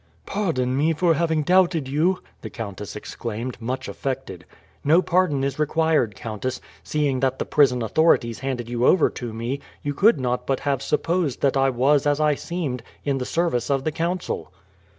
"Pardon me for having doubted you," the countess exclaimed, much affected. "No pardon is required, countess. Seeing that the prison authorities handed you over to me, you could not but have supposed that I was as I seemed, in the service of the Council."